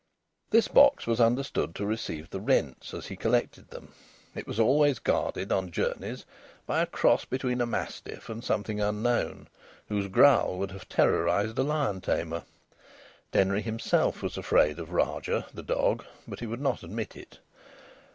This box was understood to receive the rents, as he collected them. It was always guarded on journeys by a cross between a mastiff and something unknown, whose growl would have terrorised a lion tamer. Denry himself was afraid of Rajah, the dog, but he would not admit it.